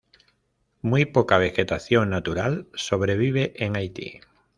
Muy poca vegetación natural sobrevive en Haití.